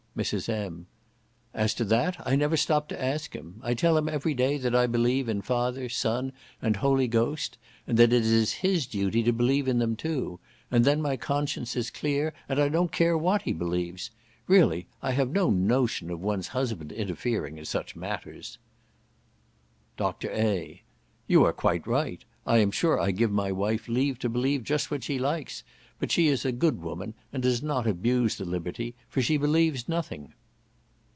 Mrs. M. "As to that, I never stop to ask him. I tell him every day that I believe in Father, Son, and Holy Ghost, and that it is his duty to believe in them too, and then my conscience is clear, and I don't care what he believes. Really, I have no notion of one's husband interfering in such matters." Dr. A. "You are quite right. I am sure I give my wife leave to believe just what she likes; but she is a good woman, and does not abuse the liberty; for she believes nothing."